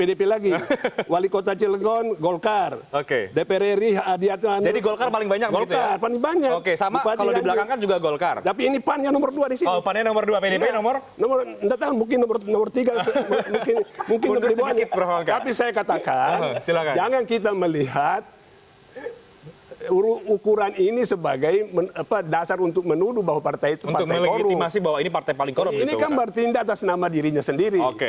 ini kan bertindak atas nama dirinya sendiri